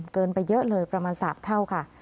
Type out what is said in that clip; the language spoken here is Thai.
เกินไปเยอะเลยประมาณ๓เท่าค่ะ